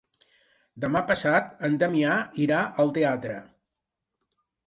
Demà passat en Damià irà al teatre.